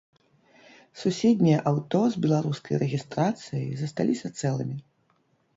Суседнія аўто з беларускай рэгістрацыяй засталіся цэлымі.